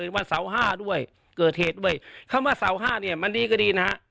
วันเสาร์ห้าด้วยเกิดเหตุด้วยคำว่าเสาห้าเนี่ยมันดีก็ดีนะฮะ